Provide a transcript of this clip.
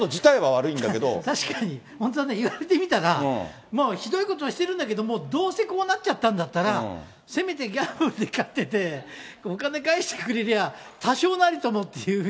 確かに、本当だ、言われてみたら、ひどいことはしてるんだけど、どうせこうなっちゃったんだったら、せめてギャンブルで勝ってて、お金返してくれりゃ、そうそうそう。